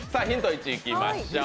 １いきましょう。